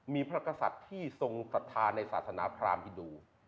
มีพระกษัตริย์ที่ทรงศรัทธาในศาสนาพรามอินดู